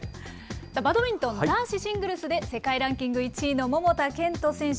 バドミントン、男子シングルスで世界ランキング１位の桃田賢斗選手。